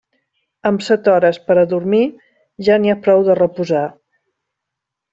Amb set hores per a dormir, ja n'hi ha prou de reposar.